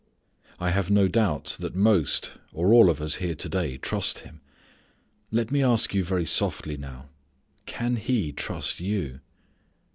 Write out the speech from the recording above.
I have no doubt most, or all of us here to day, trust Him. Let me ask you very softly now: Can He trust you?